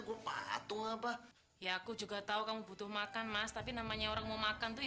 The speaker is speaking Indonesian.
aku patuh apa ya aku juga tahu kamu butuh makan mas tapi namanya orang mau makan tuh